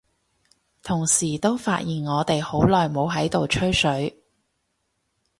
同時都發現我哋好耐冇喺度吹水，